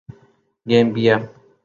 Gambia